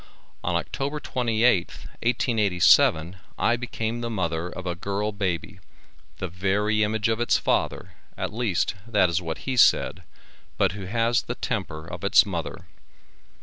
On October 28th, 1887, I became the mother of a girl baby, the very image of its father, at least that is what he said, but who has the temper of its mother.